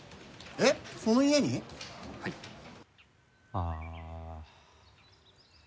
ああ。